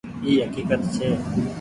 اي هڪيڪت ڇي۔